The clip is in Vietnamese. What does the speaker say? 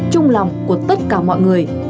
trung lòng của tất cả mọi người